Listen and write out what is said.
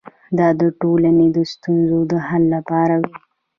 دا د ټولنې د ستونزو د حل لپاره وي.